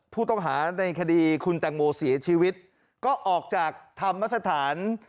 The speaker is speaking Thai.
ผู้ต้องหาในคดีคุณแตงโมเสียชีวิตก็ออกจากธรรมสถาน